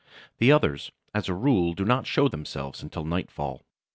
The others, as a rule, do not show themselves until nightfall.